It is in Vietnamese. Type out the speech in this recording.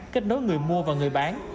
kết nối người mua và người bán